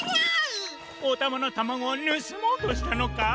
おたまのタマゴをぬすもうとしたのか？